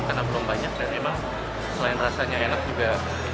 karena belum banyak dan memang selain rasanya enak juga